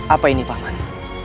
apa ini pak man